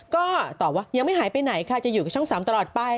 ก็ตอบว่ายังไม่หายไปไหนค่ะจะอยู่กับช่อง๓ตลอดไป